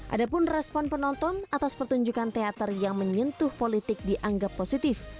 ada pun respon penonton atas pertunjukan teater yang menyentuh politik dianggap positif